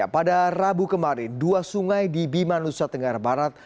pada rabu kemarin dua sungai di bima nusa tenggara barat